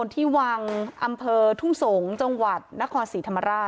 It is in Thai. และเป็นงานเรียนใจ